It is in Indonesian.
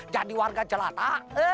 jadi warga jelata